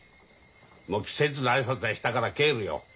もう季節の挨拶はしたから帰るよ。